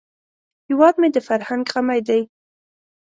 هیواد مې د فرهنګ غمی دی